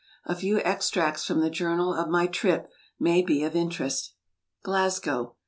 A few extracts from the journal of my trip, may be of interest. Glasgow.